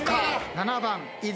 ７番。